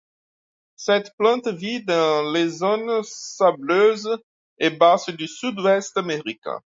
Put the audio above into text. Cette plante vit dans les zones sableuses et basses du sud-ouest américain.